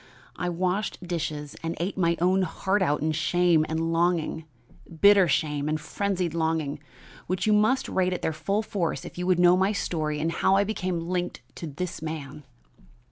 I washed dishes and ate my own heart out in shame and longing bitter shame and frenzied longing, which you must rate at their full force if you would know my story and how I became linked to this man.